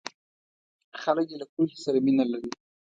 خلک یې له پوهې سره مینه لري.